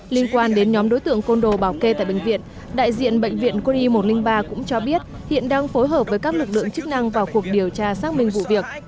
liên quan đến nhóm đối tượng côn đồ bảo kê tại bệnh viện đại diện bệnh viện quân y một trăm linh ba cũng cho biết hiện đang phối hợp với các lực lượng chức năng vào cuộc điều tra xác minh vụ việc